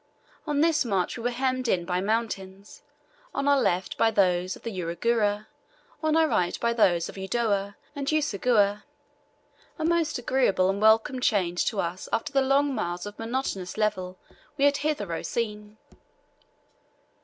On this march we were hemmed in by mountains on our left by those of Uruguru, on our right by those of Udoe and Useguhha a most agreeable and welcome change to us after the long miles of monotonous level we had hitherto seen.